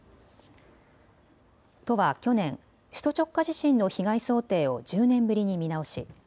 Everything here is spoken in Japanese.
都は去年、首都直下地震の被害想定を１０年ぶりに見直し